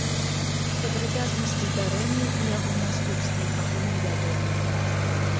Падрабязнасці здарэння і яго наступствы пакуль невядомыя.